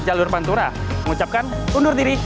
jalur pantura mengucapkan undur diri